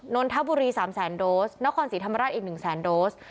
นนทบุรี๓๐๐๐โดสนครสีธรรมรัฐอีก๑๐๐๐โดส